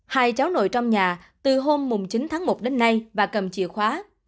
hai cháu nội trong nhà từ hôm chín tháng một đến nay và cầm chìa khóa